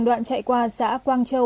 đoạn chạy qua xã quang châu